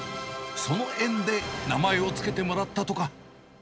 その縁で名前を付けてもらったとか。